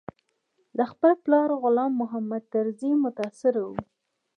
له خپل پلار غلام محمد طرزي متاثره و.